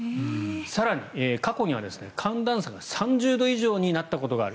更に、過去には寒暖差が３０度以上になったことがある。